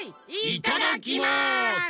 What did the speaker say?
いただきます！